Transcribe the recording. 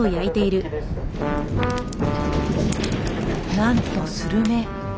なんとスルメ。